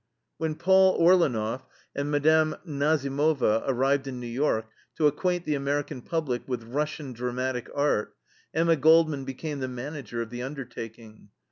When Paul Orleneff and Mme. Nazimova arrived in New York to acquaint the American public with Russian dramatic art, Emma Goldman became the manager of the undertaking.